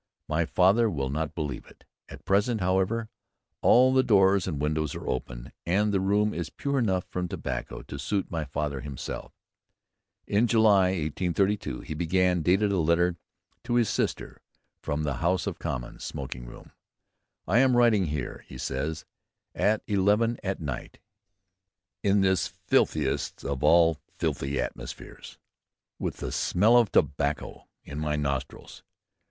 My father will not believe it. At present, however, all the doors and windows are open, and the room is pure enough from tobacco to suit my father himself." In July 1832 he again dated a letter to his sisters from the House of Commons smoking room. "I am writing here," he says, "at eleven at night, in this filthiest of all filthy atmospheres ... with the smell of tobacco in my nostrils....